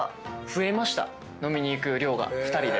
飲みに行く量が２人で。